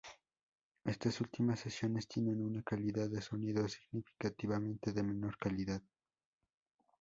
Estas últimas sesiones tienen una calidad de sonido significativamente de menor calidad.